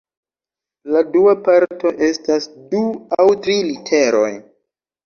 La dua parto estas du aŭ tri literoj.